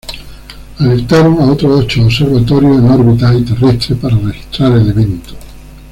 Alertaron a otros ocho observatorios en órbita y terrestres para registrar el evento.